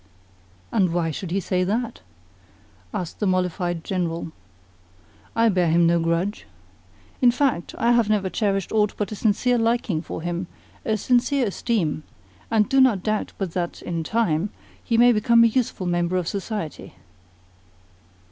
'" "And why should he say that?" asked the mollified General. "I bear him no grudge. In fact, I have never cherished aught but a sincere liking for him, a sincere esteem, and do not doubt but that, in time, he may become a useful member of society."